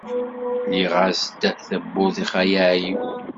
Lliɣ-as-d tawwurt i Xali Ɛli.